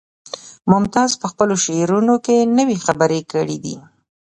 ممتاز په خپلو شعرونو کې نوې خبرې کړي دي